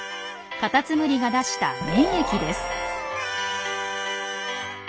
カタツムリが出した「粘液」です。